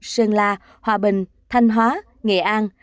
sơn la hòa bình thanh hóa nghệ an